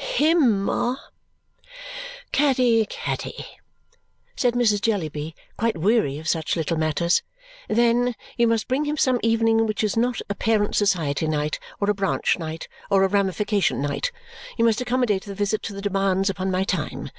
"Him, Ma." "Caddy, Caddy!" said Mrs. Jellyby, quite weary of such little matters. "Then you must bring him some evening which is not a Parent Society night, or a Branch night, or a Ramification night. You must accommodate the visit to the demands upon my time.